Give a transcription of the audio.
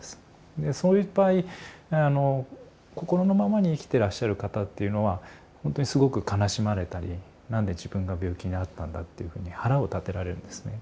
でそういう場合心のままに生きてらっしゃる方っていうのは本当にすごく悲しまれたり何で自分が病気になったんだっていうふうに腹を立てられるんですね。